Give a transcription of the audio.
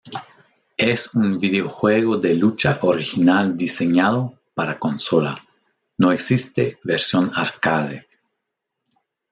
Es un videojuego de lucha original diseñado para consola, no existe versión arcade.